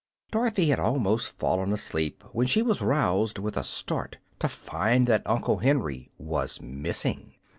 Dorothy had almost fallen asleep when she was aroused with a start to find that Uncle Henry was missing.